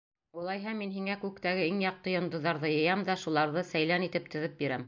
— Улайһа, мин һиңә күктәге иң яҡты йондоҙҙарҙы йыям да шуларҙы сәйлән итеп теҙеп бирәм.